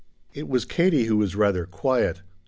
It was Katie who was rather quiet.